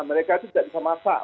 mereka itu tidak bisa masak